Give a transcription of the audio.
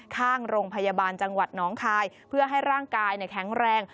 ข้างโรงพยาบาลจังหวัดน้องคายเพื่อให้ร่างกายแข็งแรง